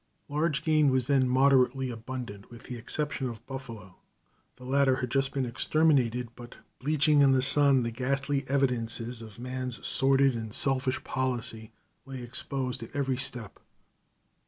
Large game was then moderately abundant, with the exception of buffalo. The latter had just been exterminated, but, bleaching in the sun, the ghastly evidences of man's sordid and selfish policy lay exposed at every step.